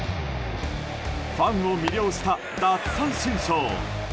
ファンを魅了した奪三振ショー。